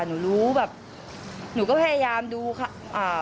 หนูรู้แบบหนูก็พยายามดูอ่า